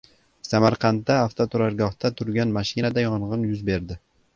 Samarqandda avtoturargohda turgan mashinada yong‘in yuz berdi